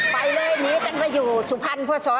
ไปเลยหนีกันมาอยู่สุพรรณพศ